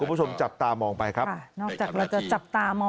คุณผู้ชมจับตามองไปครับ